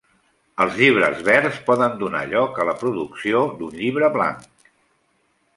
Els llibres verds poden donar lloc a la producció d'un Llibre blanc.